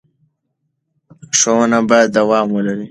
ښوونه باید دوام ولري.